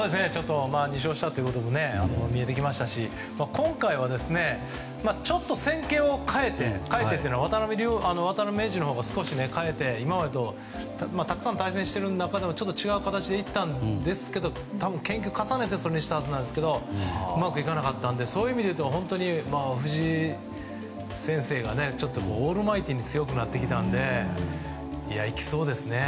２勝したということで見えてきましたし今回はちょっと戦型を変えて変えてというのは渡辺名人のほうが変えて今までもたくさん対戦している中では違う形でいってそういうふうにしたと思いますがうまくいかなかったのでそういう意味で言うと藤井先生がオールマイティーに強くなってきたのでいや、いきそうですね！